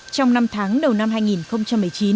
trong năm tháng đầu năm hai nghìn một mươi chín